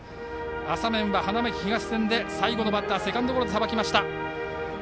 浅面は花巻東戦で最後のバッターセカンドゴロをさばきました。